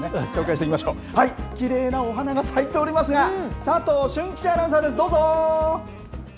きれいなお花が咲いておりますが、佐藤俊吉アナウンサーです、どうぞ。